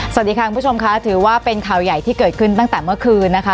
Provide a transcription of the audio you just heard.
สวัสดีค่ะคุณผู้ชมค่ะถือว่าเป็นข่าวใหญ่ที่เกิดขึ้นตั้งแต่เมื่อคืนนะคะ